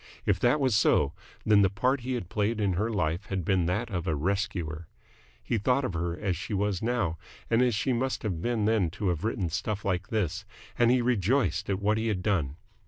If that was so, then the part he had played in her life had been that of a rescuer. He thought of her as she was now and as she must have been then to have written stuff like this, and he rejoiced at what he had done.